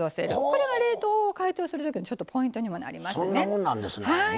これは冷凍を解凍するときのポイントにもなりますね。